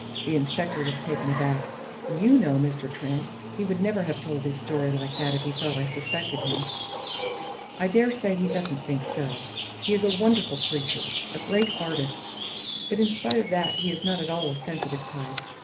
The inspector was taken aback. "You know, Mr. Trent, he would never have told his story like that if he thought I suspected him." "I dare say he doesn't think so. He is a wonderful creature, a great artist; but in spite of that he is not at all a sensitive type.